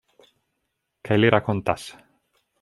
Kaj li rakontas.